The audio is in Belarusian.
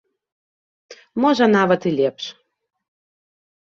Можа, нават і лепш.